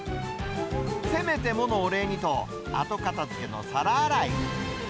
せめてものお礼にと、後片づけの皿洗い。